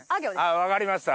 分かりました。